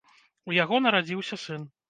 У яго нарадзіўся сын.